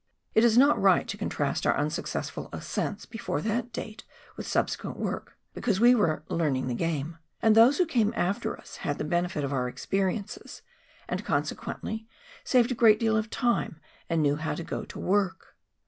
It is not right to contrast our unsuccessful ascents before that date with subsequent work, because we were " learning the game," and those who came after us had the benefit of our experiences, and consequently saved a great deal of time and knew how to go to work.